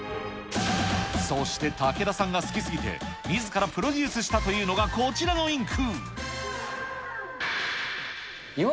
そして武田さんが好きすぎてみずからプロデュースしたというのがこちらのインク。